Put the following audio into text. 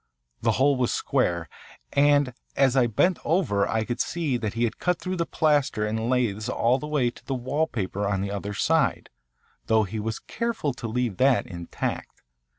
The hole was square, and as I bent over I could see that he had cut through the plaster and laths all the way to the wallpaper on the other side, though he was careful to leave that intact.